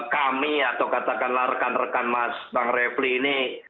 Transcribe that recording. kami atau katakanlah rekan rekan mas bang refli ini